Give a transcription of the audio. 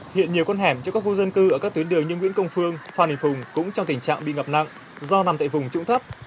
hiện nhiều con hẻm cho các khu dân cư ở các tuyến đường nhân nguyễn công phương phan hình phùng cũng trong tình trạng bị ngập nặng do nằm tại vùng trụng thấp